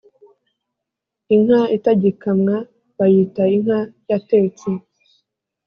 Inka itagikamwabayita inka yatetse